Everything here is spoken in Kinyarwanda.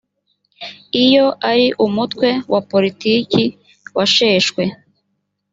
iyo ari umutwe wa politiki washeshwe